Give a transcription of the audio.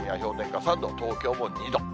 ３度、東京も２度。